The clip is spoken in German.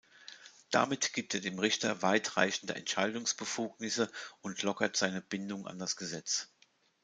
Damit gibt er dem Richter weitreichende Entscheidungsbefugnisse und lockert seine Bindung an das Gesetz.